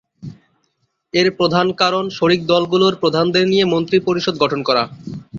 এর প্রধান কারণ শরিক দলগুলোর প্রধানদের নিয়ে মন্ত্রিপরিষদ গঠন করা।